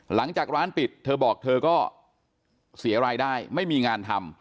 หลังจากร้านปิดเธอบอกเธอก็เสียรายได้ไม่มีงานทำ